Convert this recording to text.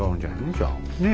じゃあ。ねえ？